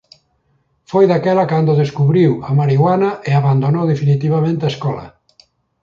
Foi daquela cando descubriu a marihuana e abandonou definitivamente a escola.